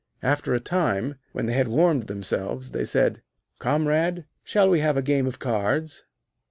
After a time, when they had warmed themselves, they said: 'Comrade, shall we have a game of cards?'